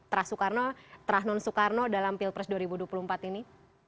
terah soekarno terah non soekarno dalam pilpres dua ribu dua puluh empat ini